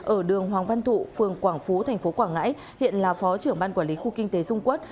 ở đường hoàng văn thụ phường quảng phú tp quảng ngãi hiện là phó trưởng ban quản lý khu kinh tế dung quốc